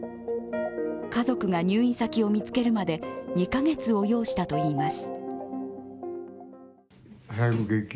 家族が入院先を見つけるまで２カ月を要したといいます。